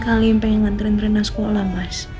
paling pengen ngerin rinah sekolah mas